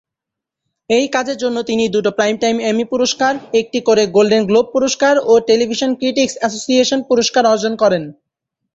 এই কাজের জন্য তিনি দুটি প্রাইমটাইম এমি পুরস্কার, একটি করে গোল্ডেন গ্লোব পুরস্কার ও টেলিভিশন ক্রিটিকস অ্যাসোসিয়েশন পুরস্কার অর্জন করেন।